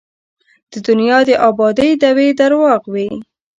د دنیا د ابادۍ دعوې درواغ دي.